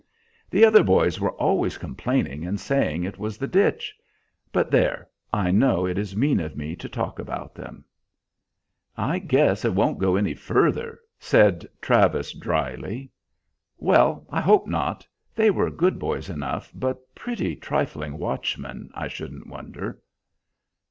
"The other boys were always complaining and saying it was the ditch. But there, I know it is mean of me to talk about them." "I guess it won't go any further," said Travis dryly. "Well, I hope not. They were good boys enough, but pretty trifling watchmen, I shouldn't wonder."